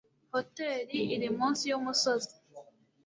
Hoteri iri munsi yumusozi.